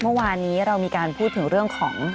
เมื่อวานนี้เรามีการพูดถึงเรื่องของ